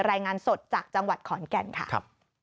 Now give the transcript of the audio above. รายงานสดจากจังหวัดขอนแก่นค่ะ